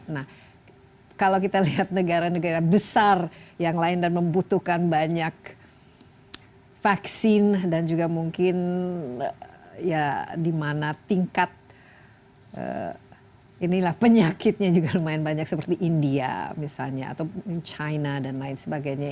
nah kalau kita lihat negara negara besar yang lain dan membutuhkan banyak vaksin dan juga mungkin ya di mana tingkat penyakitnya juga lumayan banyak seperti india misalnya atau china dan lain sebagainya